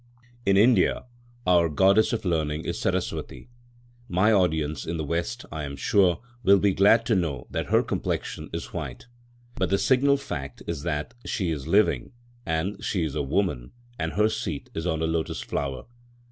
In India our goddess of learning is Saraswati. My audience in the West, I am sure, will be glad to know that her complexion is white. But the signal fact is that she is living and she is a woman, and her seat is on a lotus flower.